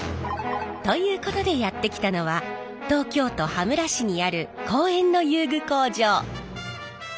ということでやって来たのは東京都羽村市にある公園の遊具工場。